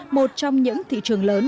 một trong những thị trường lớn